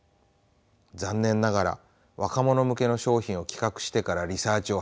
残念ながら若者向けの商品を企画してからリサーチを始める。